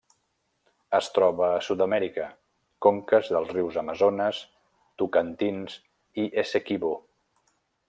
Es troba a Sud-amèrica: conques dels rius Amazones, Tocantins i Essequibo.